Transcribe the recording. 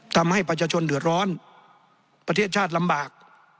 ทำให้ประชาชนเดือดร้อนประเทศชาติลำบาก